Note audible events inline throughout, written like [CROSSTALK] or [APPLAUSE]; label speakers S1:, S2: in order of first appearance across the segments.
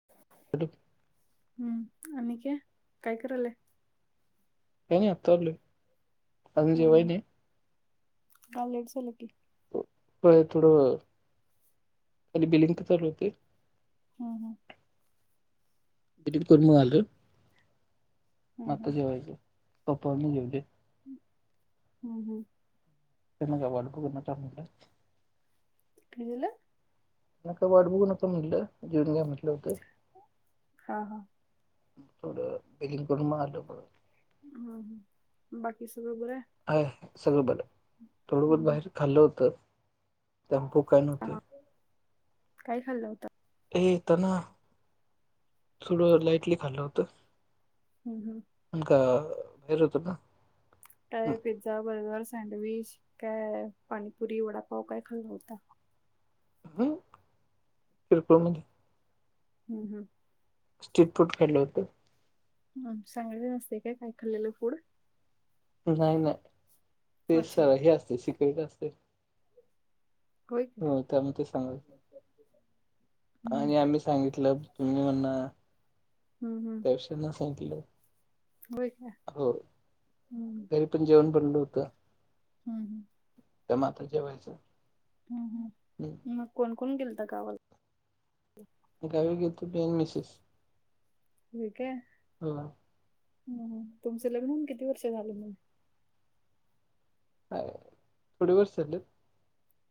S1: हा
S2: क
S1: हम्म आणिकय काय करालय
S2: हेनी आतले अजे वयने
S1: का लेट झाल की
S2: प थोडं कध बिलिंक चाल होते
S1: हा हा
S2: कोर म आल म
S1: हम्म हम्म
S2: जेवाय पपून जेवते
S1: हम्म हम्म
S2: त्यां का वाळप कर ट
S1: क गला
S2: वाड बूण मट जीवन का पट
S1: हा हा.
S2: थोडं बिगिन करून मारलंण
S1: हम हम बाकी सग पुोर
S2: ह सगळं बरं थोडंफत
S1: हम्म
S2: बाहेर खाल्लं होतं त्याॅम्पू काय
S1: हा
S2: नव्हती
S1: हा. काय खाल्लं होतं
S2: हेताना थोडं लाइटली खाल्लं होतं
S1: हम्म हम्म
S2: ण का बाहेर होतो ना
S1: टाय पिझ्झा बर्गर सँडविच काय पाणीपुरी वडापाव काय खाल्ला होता
S2: ह किरकु म्हध्ये
S1: हम् हम
S2: स्ट्रीट फूड खेळलं होतं
S1: ह सांगाले नसते काय काय खाल्लेलं फूड
S2: नाही नाही ते स
S1: अच्छा
S2: हे असते सिकेट असते
S1: होय काय?
S2: हो त्या म ते सांगाल
S1: हम्म
S2: आणि आम्ही सांगितलं तुम्ही म्हणना
S1: हम्म
S2: त्याशना सांगितलं
S1: हो का?
S2: हो घरी पण जेवण बनल होतं.
S1: हम्म हम्म
S2: ते मता जेवायचं-
S1: हम्
S2: हम्म
S1: हम मग कोण कोण गेलता गावाला?
S2: गावी गेलतो मी आणि मिसेस ह
S1: तुमच लग्न होऊन किती वर्ष झालं मग?
S2: ह थोडी वर्सल [UNINTELLIGIBLE]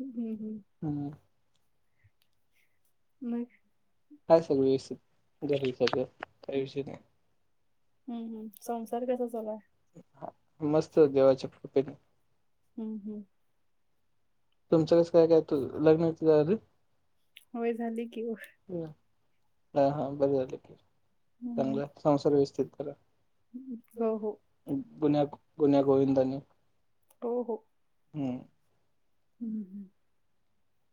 S1: हम् हम्म
S2: हम्म
S1: मग
S2: काय सगळ व्यवस्थित काही विषय नाही
S1: हम् हम संसार कसा चालाय
S2: हां, मस्त देवाच्या कृपेने
S1: हम्म हम्म
S2: तुमचं कसं काय काय लग्ना
S1: होय झाली की,
S2: हा हा बर झाले
S1: हम्म
S2: चांगला संसार व्यवस्थित करा.
S1: हो हो
S2: गुन्या गुन्या गोविंदाने
S1: हो हो
S2: हम्म
S1: हं हं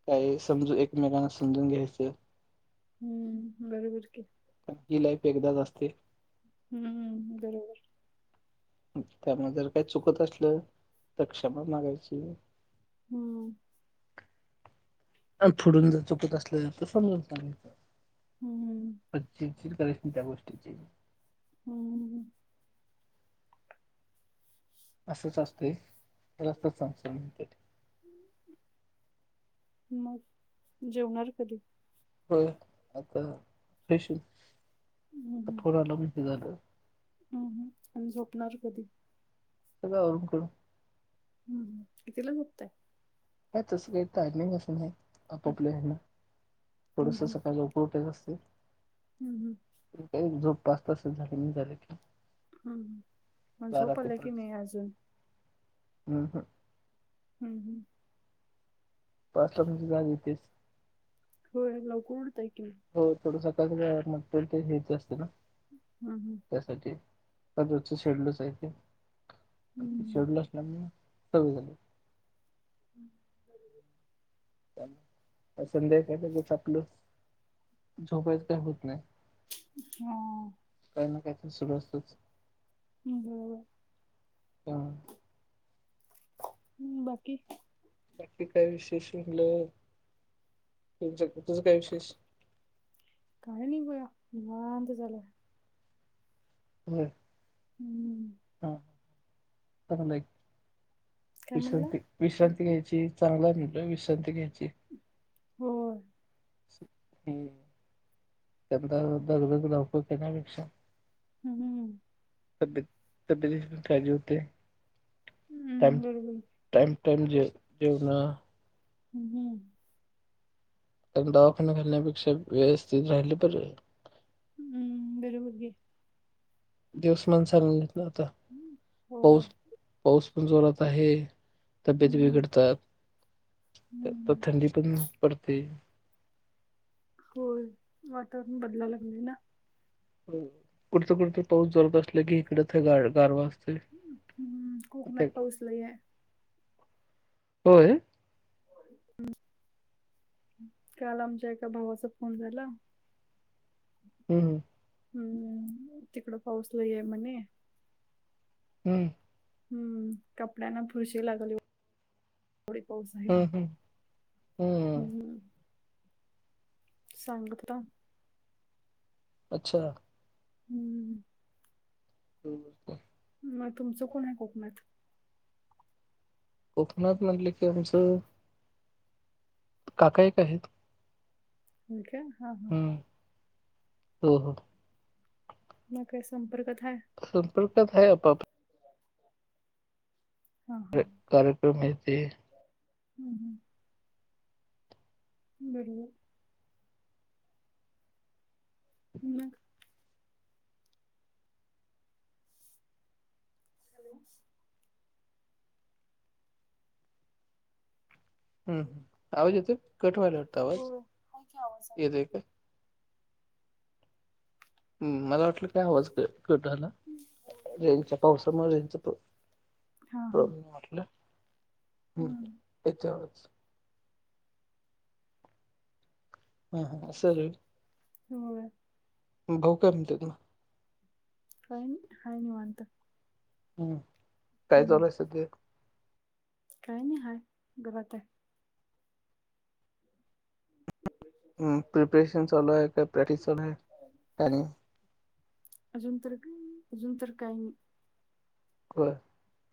S2: काही समजून एकमेकांना समजून घ्यायचं
S1: हम्म बरोबर की,
S2: ही लाईफ एकदाच असते.
S1: हम्मम बरोबर,
S2: त्यामुळे जर काही चुकत असलं तर क्षमा मागायची.
S1: हम्म-
S2: फुडून चुकत असल्या तर समजून
S1: हम्म
S2: सांगयचं चिडचिड करायची नाही त्या गोष्टीची
S1: हम्म ह [UNINTELLIGIBLE]
S2: असंच असतें तर असतंच सांगत म्ह त्या
S1: मग जेवणार कधी?
S2: होय आता फ्रेश आला म्हणजे झालं
S1: हम् आणि झोपणार कधी?
S2: ग ून करून
S1: हम् हम कितीला झोपतात?
S2: ह तसं काही टाईमिंग असं काही नाही. आपापल्या आहे ना
S1: हम्म
S2: थोडस
S1: हम्म
S2: सकाळ लवकर उठायचे असते.
S1: हम्म
S2: झोप पाच तासच झाली नाही झाले की,
S1: हम म
S2: बारा
S1: झोप आल्या की नाही अजून?
S2: हम् हं
S1: हम् हम्
S2: पाचला म्हणजे जाग येतेच
S1: होय लवकर उटताय की,
S2: हो थोडस कचगत ते हेच असत ना,
S1: हम् हम्!
S2: त्यासाठी रोजच शेड्यूलच आहे ते ते
S1: हम्म
S2: शेड्यूल असणार मी, सवय झाली.
S1: ह बरोबर
S2: संध्या कापल झोपायचं काही होत नाही
S1: हम्म हा
S2: काही ना काही तर सुरू असतच
S1: हम् बरोबर
S2: त्यामुळे
S1: ह् बाकी
S2: काय विशेषलं तुमच कुठच काय विशेष
S1: काही नाही पोया लात झाला
S2: ह
S1: हम्म.
S2: हा परई
S1: काय म्हणला
S2: विश्रांती विश्रांती घ्यायची चांगला म्हटलं विश्रांती घ्यायची
S1: हो
S2: हम्म त्यांचा दगधग धाक येण्यापेक्षा
S1: हम् हम्
S2: स्य सब्यते काज होते टयइम
S1: हम्म, बरोबर
S2: टाइम ज जेव ना
S1: ह् हम्म
S2: कारण दावाखाने घालण्यापेक्षा व्यवस्थित राहिले ब
S1: हम्म बरोबर घ
S2: दिवसमान चालून घेत ना आता
S1: हो
S2: पाऊस पाऊस पण जोरात आहे तब्येत
S1: हम्म.
S2: बिघडतात तर
S1: हम्म.
S2: थंडी पण पडते
S1: हो वातावरण बदला लागला ना
S2: कुडत कुडत पाऊस जडत असले की इकडच ग गारवाजते
S1: हम्म कोकणात पाऊसला आहे
S2: होय
S1: हम् काल आमच्या एका भावाचा फोन झाला
S2: ह हं
S1: हम्मम तिकडं पाऊसला आहे म्हणे
S2: हम्म
S1: हम्म कपड्यांना फुरशी लागली थोडी पाऊस आहे
S2: हम्म
S1: मी
S2: हम्म
S1: हम्म हम्म संांगत
S2: अच्छा
S1: हम्म
S2: ह
S1: मग तुमचं कोण आहे कोकणात
S2: कोकणात म्हटलं की आमचं काकायक आहेत
S1: क हा हा
S2: हम्म हो हो
S1: न काय संपर्कच आहे
S2: संपर्कात आहे आपप
S1: हा हा
S2: कार कार्यक्रमेत
S1: हम्म हम् बड हम् हॅलो
S2: हम् ह आवाज येतो कठवा्हायला वाटतो
S1: हो
S2: आवाज
S1: हाय की आवाज
S2: येतो आहे काय हम् मला वाटलं काय आवाज कटला रेंच्या पावसामुळे रेंचा
S1: हा हा
S2: प्रॉब्ले वाटलं ह्
S1: हम्म
S2: तेच्याच हा हा असल.
S1: हो.
S2: बहु कामत ना.
S1: कायन हा निवत
S2: हम्म काय चालाय सध
S1: काही नाही ह घरात. [UNINTELLIGIBLE]
S2: हम् प्रिपरेशन चालू आहे काय प्रॅक्टिस चालू आहे का नाही.
S1: अजून तर अजून तर काही
S2: हो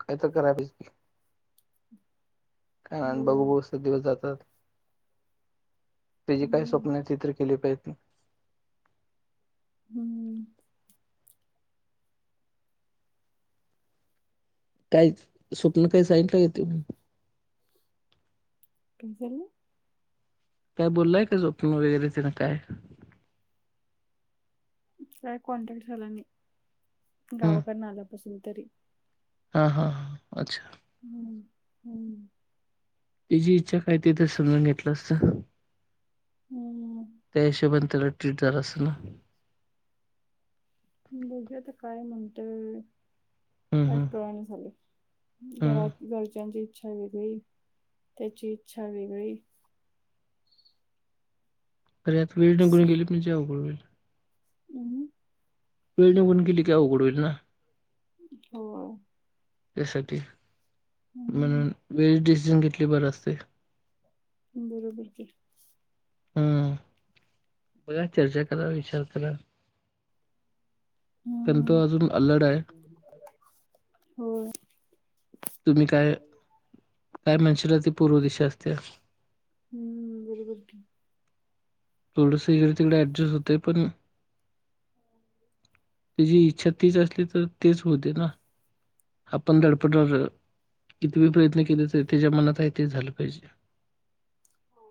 S2: काय तर कराय पाज
S1: [UNINTELLIGIBLE]
S2: कार बघू
S1: होय
S2: बघू अस दिवस जातात. तझे काय
S1: हम्म
S2: स्वप्न आहे ति तर केली पाहिज नाही.
S1: हम्म.
S2: काहीच स्वप्न काही साईंट ला येते.
S1: [UNINTELLIGIBLE]
S2: काय बोललाय का स्वप्ं वगैरे तें काय?
S1: काय कॉन्टॅक्ट झाला नाही गावाकन आल्यापासून तरी
S2: हां हां हां अच्छा.
S1: हम्म हम्म.
S2: तीझी इच्छा काय ते तर समजून घेतलं असत.
S1: हम्म
S2: त्या हिशोबन त्याला ट्रीट झालं असंत ना. हम्म
S1: बघुया आता काय म्हणतोयं काय
S2: हम्म
S1: काळना झालयं.
S2: हम्म
S1: घरात घरच्यांची इच्छा वेगळी त्याची इच्छा वेगळी.
S2: खरं याता वेळ निघून गेली म्हणजे अवघड होईल.
S1: हम्म
S2: वेळ निघून गेली की अवघड होईल ना.
S1: होय
S2: त्यासाठी म्हणून
S1: हम्म
S2: वेळीत डिसिजन घेतलेल बर असतयं.
S1: बरोबर की.
S2: हम्म बघा चर्चा करा विचार करा. कारण तो
S1: हम्म
S2: अजून अल्लड हाय.
S1: होय.
S2: तुम्ही काय काय म्हणशील ती पूर्व दिशा असत्या.
S1: हम्म हम्म बरोबर की.
S2: थोडंस इकड तिकड ऍडजस्ट होतयं पण तीझी इच्छा तीच असली तर तेच होऊ दे ना आपण धडपडार किती पण प्रयत्न केले तर त्याच्या मनात आहे ते झालं पाहिजे.
S1: हो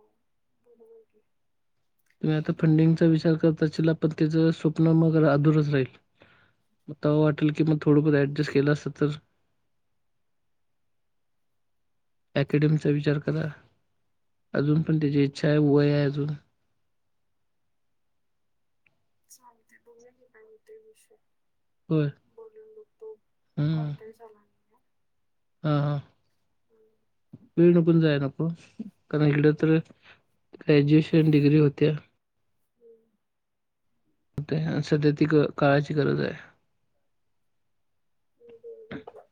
S1: बोलूया की
S2: तुम्ही आता फंडिंगचा विचार करत असचीला पण त्याज स्वप्न मग अधूरच राहील. मग तवा वाटल की मग थोडं फार ऍडजस्ट केलं असतं तर अँकॅडमी चा विचार करा अजून पण त्याची इच्छा आहे वय आहे अजून
S1: चालतंय बघूया की काय होतंय विषय
S2: होय.
S1: बोलून बघतो
S2: हम्म
S1: कॉन्टॅक्ट झाला नाही ना.
S2: हा हा
S1: हम्म.
S2: [INAUDIBLE] न पण जाय नको कारण इकड तर ग्रॅज्युएशन डिग्री होत्या. सध्या ती काळाची गरज आहे.
S1: बरोबर की.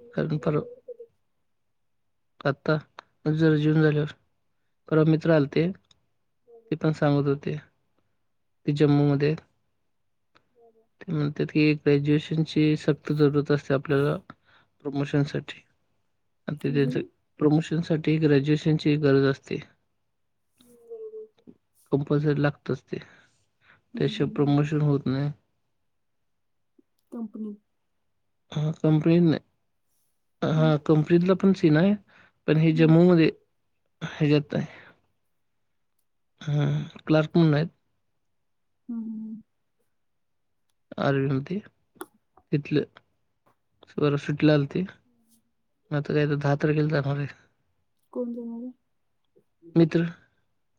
S1: हम्म. बरोबर की.
S2: आत्ता जरा जीवून झाल्यावर परवा मित्र आल ते. ते पण सांगत होते ते जम्मू मध्ये ते म्हणत होते की ग्रॅज्युएशनची सक्त जरुरत असते आपल्याला प्रमोशनसाठी. आ ते
S1: काय झालं
S2: त्यांच
S1: हम्म
S2: प्रमोशन साठी ग्रॅज्युएशनची गरज असते.
S1: बरोबर [INAUDIBLE]
S2: कंपलसरी लागतच ते त्या शिवाय
S1: हम्म.
S2: प्रमोशन होत नाही.
S1: कंपनी.
S2: हा कंपनीत नाही.
S1: हम्म
S2: हा कंपनीतला पण सीन आहे पण हे जम्मू
S1: हम्म
S2: मध्ये हे ज्यात हाय. हा हा हा क्लारक म्हणून आहेत
S1: हम्म हम्म.
S2: [INAUDIBLE] तिथलं. परवा सुट्टीला आली ती आता काही तर दहा तारखेला जाणार आहे
S1: कोण जाणार आहे
S2: मित्र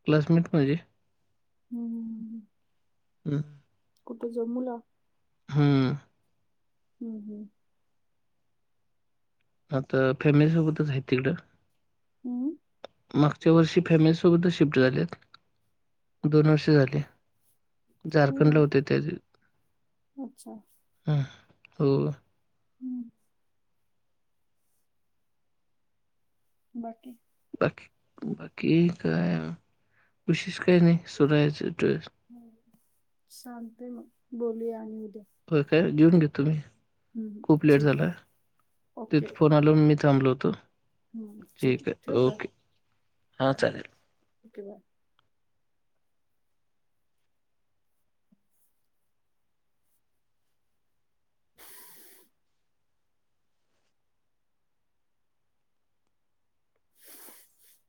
S2: क्लासमेट पाहजे. हम्म.
S1: कुठ जम्मूला.
S2: हम्म.
S1: हम् हम्
S2: आता फॅमिलीसोबतच आहेत तिकडं.
S1: हम्म
S2: मागच्या वर्षी फॅमिलीसोबतच शिफ्ट झाल्यात. दोन वर्षे झाले झारखंडला होते
S1: हम्म.
S2: त्या
S1: अच्छा
S2: हम हो
S1: हम्म बाकी
S2: बाकी बाकी काय बशस का नाही सधचस
S1: चालतय मग बोलूया आणि उद्या
S2: होय काय जेऊन घ्या तुम्ही
S1: हम्म
S2: खूप
S1: ठीक
S2: लेट
S1: आहे
S2: झालाय तथ फोन नून मी थांबल होतो
S1: ह ठीक आहे. ठेव का
S2: हां
S1: हा
S2: चालेल
S1: ओके बाय. [INAUDIBLE]